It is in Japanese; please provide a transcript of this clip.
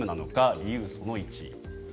理由その１つ。